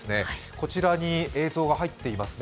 こちらに映像が入っていますね。